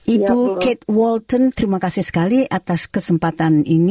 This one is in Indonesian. ibu kate walton terima kasih sekali atas kesempatan ini